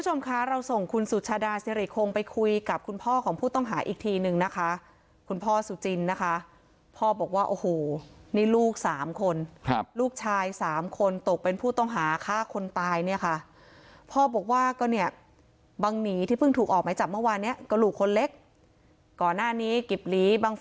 ทุกคนนั้นไม่ใช่ใส่ดีครับตามที่ผมประสบมาแต่พอระยะที่ห่างออกจากไว้คือการเจ้าเจ้าจุดโตขึ้นมาปุ๊บเนี้ยอืม